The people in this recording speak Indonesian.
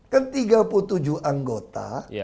kan tiga puluh tujuh anggota